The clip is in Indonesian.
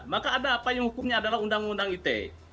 maka ada apa yang hukumnya adalah undang undang ite